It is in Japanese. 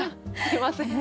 すみません。